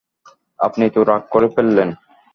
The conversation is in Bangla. আপনি তো রাগ করে ফেললেন।